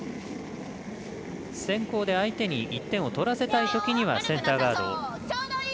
先攻で相手に１点を取らせたいときにはセンターガード。